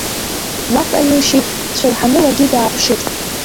Уаҟа илшьит, дцәырҳаны ларгьы дааԥшит.